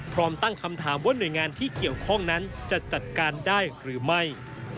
พร้อมตั้งคำถามว่าหน่วยงานที่เกี่ยวข้องนั้นจะจัดการได้หรือไม่